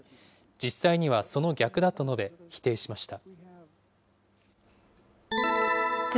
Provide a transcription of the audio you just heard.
実際にはその逆だと述べ、否定しました。